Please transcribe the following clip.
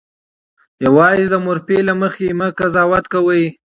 یوازې د مورفي له مخې مه قضاوت کوئ.